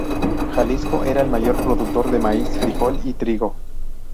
Jalisco era el mayor productor de maíz, frijol y trigo.